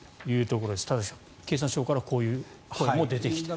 田崎さん、経産省からはこういう声も出てきていると。